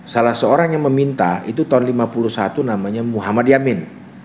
salah seorang yang meminta itu tahun seribu sembilan ratus lima puluh satu namanya muhammad yamin